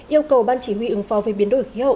yêu cầu ban chỉ huy ứng phò về biến đổi khí hậu